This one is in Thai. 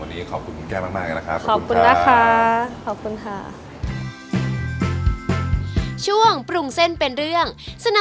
วันนี้ขอบคุณคุณแก้วมากนะคะ